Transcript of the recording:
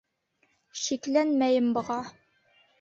Шикләнмәйем быға.